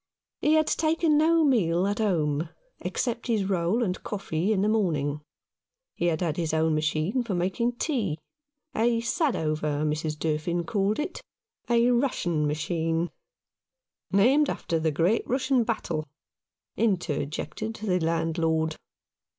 He had taken no meal at home, except his roll and coffee in the morning. He had had his own machine for making tea — a Sadover, Mrs. Durfin called it — a Russian machine, "named after the great Russian battle," interjected the landlord.